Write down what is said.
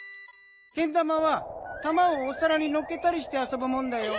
けん玉は玉をおさらにのっけたりしてあそぶもんだよ。